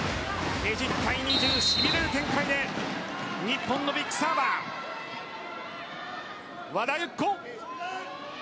しびれる展開で日本のビッグサーバー和田由紀子。